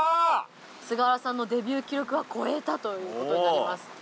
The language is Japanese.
菅原さんのデビュー記録は超えたということになります。